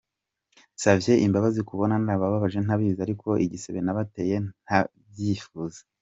"Nsavye imbabazi kubona narabababaje ntabizi, ariko ni igisebe nabateye ntavyifuza".